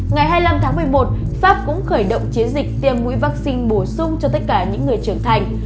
ngày hai mươi năm tháng một mươi một pháp cũng khởi động chiến dịch tiêm mũi vaccine bổ sung cho tất cả những người trưởng thành